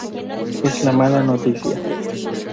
es la mala noticia.